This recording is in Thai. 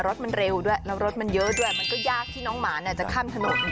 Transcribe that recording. รถมันเร็วด้วยแล้วรถมันเยอะด้วยมันก็ยากที่น้องหมาจะข้ามถนน